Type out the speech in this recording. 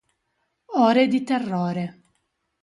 Ore di terrore